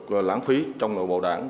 và lãng phí trong nội bộ đảng